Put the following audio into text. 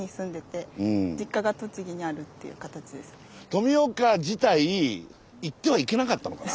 富岡自体行ってはいけなかったのかな？